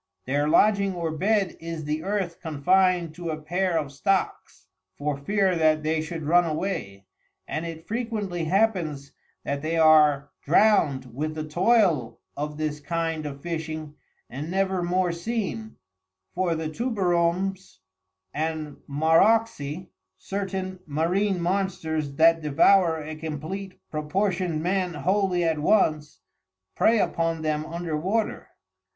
Their Lodging or Bed is the Earth confined to a pair of Stocks, for fear that they should run away: And it frequently happens that they are drown'd with the toil of this kind of Fishing and never more seen, for the Tuberoms and Maroxi (certain Marine Monsters that devour a complete proportioned Man wholly at once) prey upon them under Water.